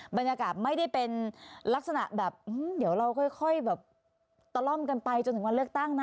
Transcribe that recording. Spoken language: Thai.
บรรยากาศไม่ได้เป็นลักษณะแบบเดี๋ยวเราค่อยแบบตะล่อมกันไปจนถึงวันเลือกตั้งนะ